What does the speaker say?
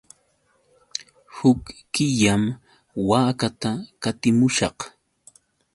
Huk killam waakata qatimushaq.